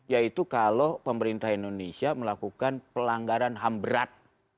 yaitu kalau pemerintah indonesia melakukan pelanggaran ham berat